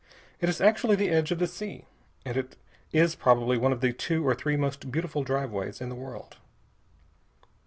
It is actually the edge of the sea, and it is probably one of the two or three most beautiful driveways in the world.